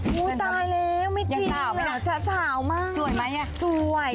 โอ้โฮตายแล้วไม่จริงเหรอสาวมากสวยไหมนี่สวย